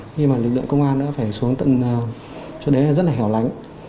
khi mà lực lượng công an đã phải xuống tận chỗ đấy là rất là hẻo lánh